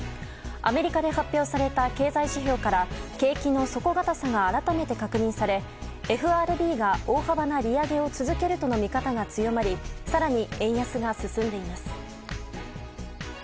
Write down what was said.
アメリカで発表された経済指標から景気の底堅さが改めて確認されＦＲＢが大幅な利上げを続けるとの見方が強まり更に円安が進んでいます。